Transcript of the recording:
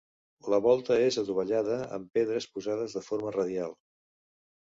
La volta és adovellada amb pedres posades de forma radial.